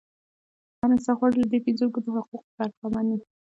هر انسان غواړي له دې پنځه ګونو حقوقو برخمن وي.